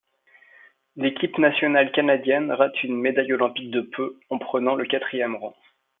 L'équipe nationale canadienne rate une médaille olympique de peu, en prenant le quatrième rang.